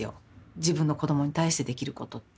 自分の子どもに対してできることって。